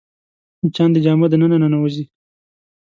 مچان د جامو دننه ننوځي